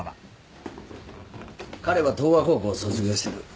彼は統和高校を卒業してる。